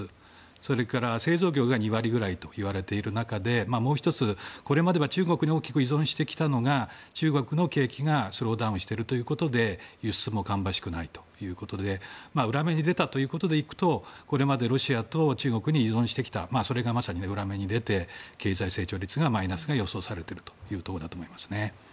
それから、製造業が２割ぐらいといわれている中でもう１つ、これまでは中国に大きく依存してきたのが中国の景気がスローダウンしているということで輸出も芳しくないということで裏目に出たということでいくとこれまでロシアと中国に依存してきたそれがまさに裏目に出て経済成長率のマイナスが予想されているということだと思います。